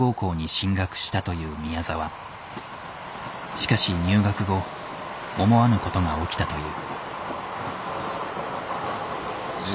しかし入学後思わぬことが起きたという。